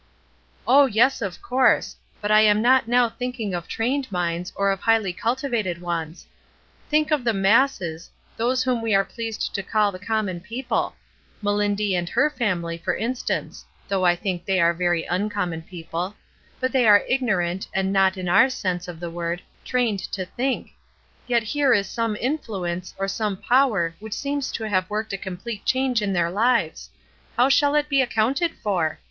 ''Oh, yes, of course; but I am not now think 206 ESTER RIED'S NAMESAKE ing of trained minds or of highly cultivated ones. Think of the masses, those whom we are pleased to call the common people: MeUndy and her family, for instance, — though I think they are very uncommon people, — but they are ignorant and not, in our sense of the word, trained to think; yet here is some influence or some power which seems to have worked a complete change in their Uves; how shall it be accounted for?